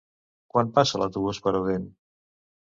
Quan passa l'autobús per Odèn?